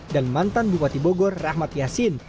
dan mantan bupati bogor rahmat yasin